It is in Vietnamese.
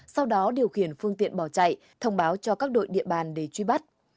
sau đó điều khiển phương tiện bỏ chạy thông báo cho các đội địa bàn để truy bắt